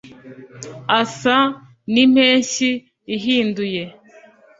asa n’impeshyi ihinduye